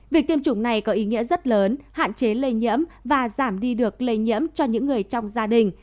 việc tiêm chủng này có ý nghĩa rất lớn hạn chế lây nhiễm và giảm đi được lây nhiễm cho những người trong gia đình